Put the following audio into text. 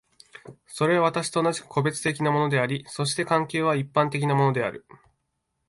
それは私と同じく個別的なものであり、そして環境は一般的なものである。